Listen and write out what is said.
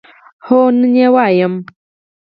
هو، نن یی لولم